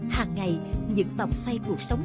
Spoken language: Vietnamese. hàng ngày những vòng xoay cuộc sống